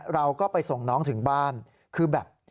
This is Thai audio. เราก็ไปส่งน้องถึงบ้านคือแบบ